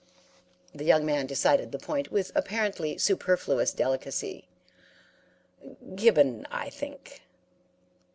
"The young man decided the point with apparently superfluous delicacy. 'Gibbon, I think.'